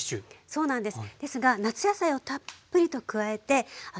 そうなんです。